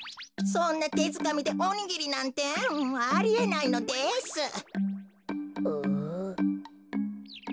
そんなてづかみでおにぎりなんてありえないのです。